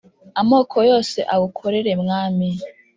Amoko yose agukorere mwami